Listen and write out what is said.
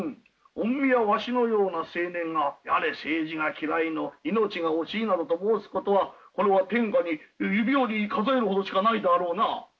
御身やわしのような青年がやれ政治が嫌いの命が惜しいなどと申すことはこの天下に指折りに数えるほどしかないだろうな。